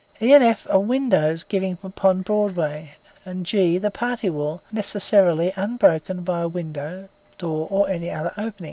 E. F. are windows giving upon Broadway, and G. the party wall, necessarily unbroken by window, door or any other opening.